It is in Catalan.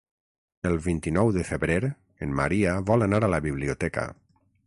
El vint-i-nou de febrer en Maria vol anar a la biblioteca.